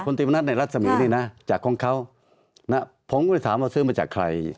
ติมณัฐในรัศมีร์นี่นะจากของเขานะผมก็เลยถามว่าซื้อมาจากใคร